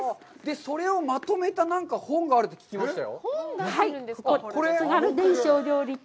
それをまとめた本があると聞きましたよ。